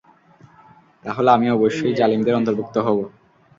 তাহলে আমি অবশ্যই জালিমদের অন্তর্ভুক্ত হব।